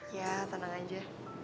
ya tenang aja